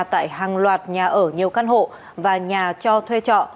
tại hàng loạt nhà ở nhiều căn hộ và nhà cho thuê trọ